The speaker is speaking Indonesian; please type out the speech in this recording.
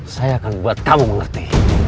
saya akan buat kamu mengerti